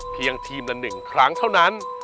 เพียงทีมละ๑ครั้งเท่านั้น